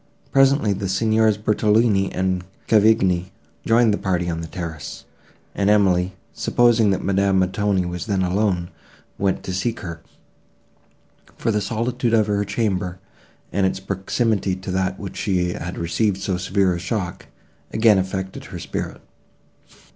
Presently the Signors Bertolini and Cavigni joined the party on the terrace, and Emily, supposing that Madame Montoni was then alone, went to seek her; for the solitude of her chamber, and its proximity to that where she had received so severe a shock, again affected her spirit.